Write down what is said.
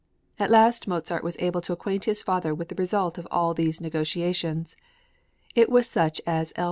At last Mozart was able to acquaint his father with the result of all these negotiations; it was such as L.